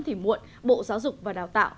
thì muộn bộ giáo dục và đào tạo